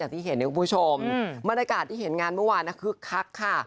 ที่เห็นเนี่ยคุณผู้ชมบรรยากาศที่เห็นงานเมื่อวานนะคึกคักค่ะ